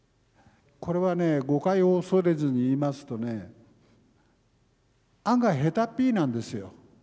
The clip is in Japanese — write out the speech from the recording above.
これはね誤解を恐れずに言いますとね案外下手っぴなんですよ。